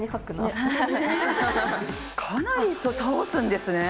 かなり倒すんですね。